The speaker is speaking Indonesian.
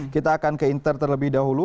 kita akan ke inter terlebih dahulu